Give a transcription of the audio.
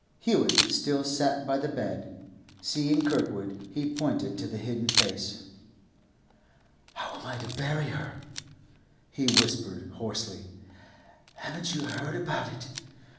Hewett still sat by the bed; seeing Kirkwood, he pointed to the hidden face. 'How am I to bury her?' he whispered hoarsely. 'Haven't you heard about it?